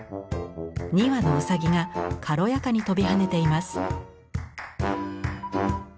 ２羽のうさぎが軽やかに跳びはねています。